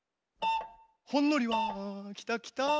ほんのりはきたきた。